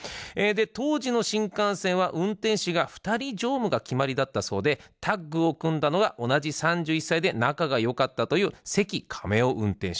当時の新幹線は運転士が２人乗務が決まりだったそうでタッグを組んだのが同じ３１歳で仲が良かったという関亀夫運転士。